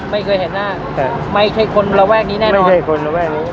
ไม่เคยเห็นหน้าแต่ไม่ใช่คนระแวกนี้แน่นอนไม่ใช่คนระแวกนี้